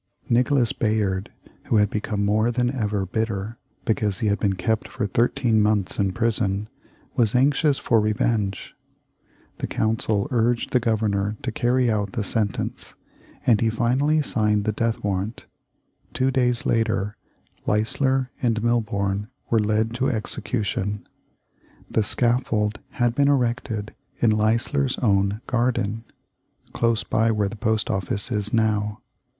Nicholas Bayard, who had become more than ever bitter because he had been kept for thirteen months in prison, was anxious for revenge. The council urged the Governor to carry out the sentence, and he finally signed the death warrant. Two days later Leisler and Milborne were led to execution. The scaffold had been erected in Leisler's own garden, close by where the post office is now.